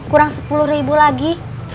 kurang sepuluh ribu lagi